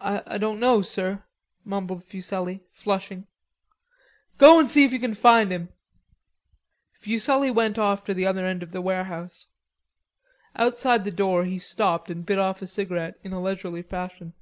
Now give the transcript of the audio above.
"I don't know, sir," mumbled Fuselli, flushing. "Go and see if you can find him." Fuselli went off to the other end of the warehouse. Outside the door he stopped and bit off a cigarette in a leisurely fashion.